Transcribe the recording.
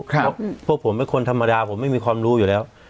เพราะพวกผมเป็นคนธรรมดาผมไม่มีความรู้อยู่แล้ว